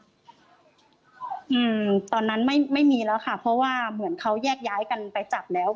อืมตอนนั้นไม่ไม่มีแล้วค่ะเพราะว่าเหมือนเขาแยกย้ายกันไปจับแล้ว